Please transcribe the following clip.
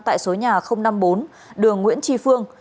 tại số nhà năm mươi bốn đường nguyễn tri phương